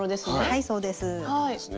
はいそうです。